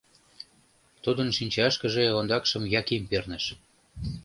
Тудын шинчашкыже ондакшым Яким перныш.